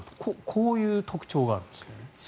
こういう特徴があるんですね。